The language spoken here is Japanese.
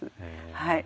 はい。